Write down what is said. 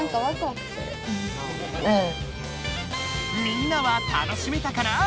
みんなは楽しめたかな？